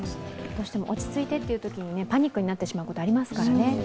どうしても、落ち着いてというときに、パニックになるときありますからね。